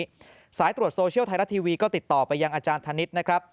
ในเมษายนนี้สายตรวจโซเชียลไทยละทีวีก็ติดต่อไปยังอาจารย์ธนิดนะครับ